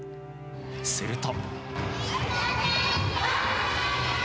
すると。